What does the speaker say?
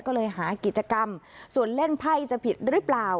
ก็เลยหากิจกรรมส่วนเล่นไพ่จะผิดหรือเปล่า